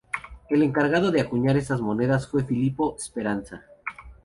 El encargado de acuñar estas monedas fue Filippo Speranza.